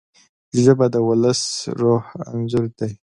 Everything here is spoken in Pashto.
ژبه د ولس د روح انځور ده